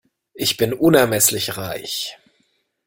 Ich bin unermesslich reich.